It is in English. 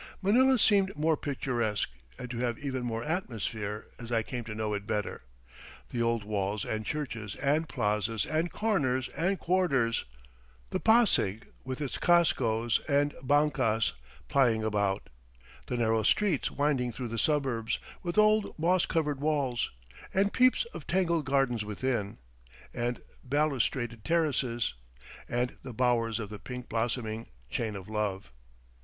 Manila seemed more picturesque, and to have even more atmosphere, as I came to know it better. The old walls and churches and plazas and corners and quarters; the Pasig with its cascos and bancas plying about; the narrow streets winding through the suburbs, with old moss covered walls, and peeps of tangled gardens within, and balustraded terraces, and the bowers of the pink blossoming "chain of love."